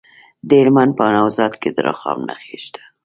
د هلمند په نوزاد کې د رخام نښې شته.